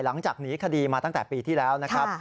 หลังจากหนีคดีมาตั้งแต่ปีที่แล้วนะครับ